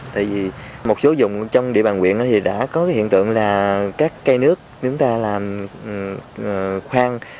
tại vì một số vùng trong địa bàn quyện thì đã có cái hiện tượng là các cây nước chúng ta làm khoang